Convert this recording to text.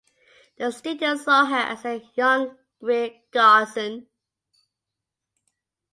The studio saw her as a "young Greer Garson".